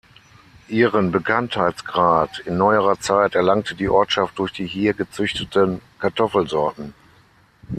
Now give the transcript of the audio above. Ihren Bekanntheitsgrad in neuerer Zeit erlangte die Ortschaft durch die hier gezüchteten Kartoffelsorten.